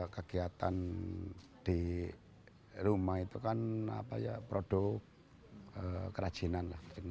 kegiatan di rumah itu kan produk kerajinan